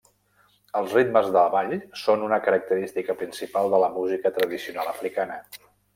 Els ritmes de ball són una característica principal de la música tradicional africana.